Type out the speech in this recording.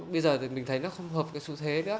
bây giờ thì mình thấy nó không hợp cái xu thế nữa